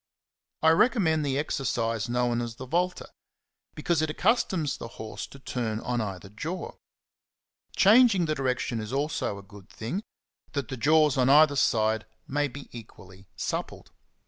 43 I recommend the exercise known as the CHAPTER VII. 43 Volte, because it accustoms the horse to turn on either jaw. Changing the direction is also a good thing, that the jaws on either side may be equally suppled.